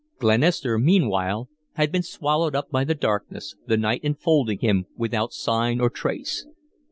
Glenister, meanwhile, had been swallowed up by the darkness, the night enfolding him without sign or trace.